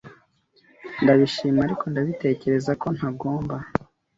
Ndabishima, ariko ndatekereza ko ntagomba.